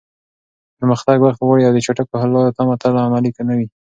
پرمختګ وخت غواړي او د چټکو حل لارو تمه تل عملي نه وي.